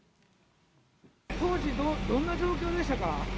当時、どんな状況でしたか？